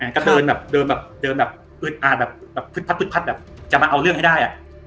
กะเดินแบบอืดอาดปืดพัดจะมาเอาเรื่องให้ได้